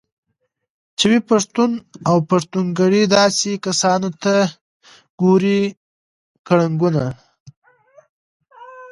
چې وي پښتون اوپښتونكړي داسې كسانوته به ګورې كړنګونه